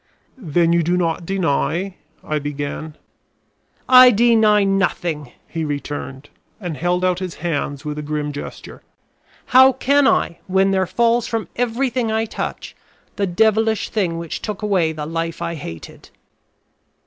"Then you do not deny " I began. "I deny nothing," he returned, and held out his hands with a grim gesture. "How can I, when there falls from everything I touch, the devilish thing which took away the life I hated?"